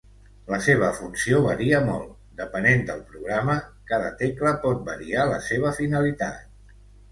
La seva funció varia molt, depenent del programa cada tecla pot variar la seva finalitat.